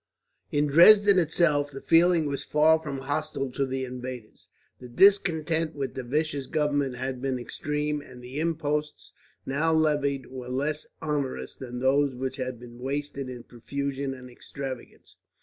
In Dresden itself, the feeling was far from hostile to the invaders. The discontent with the vicious government had been extreme, and the imposts now levied were less onerous than those which had been wasted in profusion and extravagance.